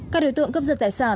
các đối tượng cướp giật tài sản